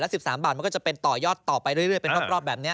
๑๓บาทมันก็จะเป็นต่อยอดต่อไปเรื่อยเป็นรอบแบบนี้